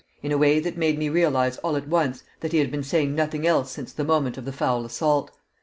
in a way that made me realise all at once that he had been saying nothing else since the moment of the foul assault.